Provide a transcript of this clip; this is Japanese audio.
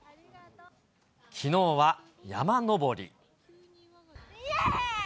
きのうは山登り。